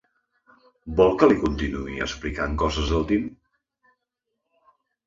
Vol que li continuï explicant coses del Tim?